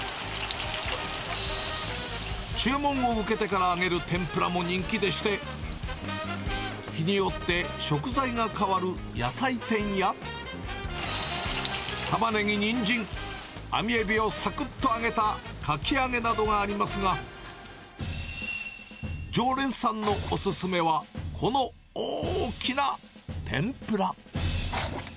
注文を受けてから揚げる天ぷらも人気でして、日によって食材が変わる野菜天や、タマネギ、ニンジン、アミエビをさくっと揚げたかき揚げなどがありますが、常連さんのお勧めは、この大きな天ぷら。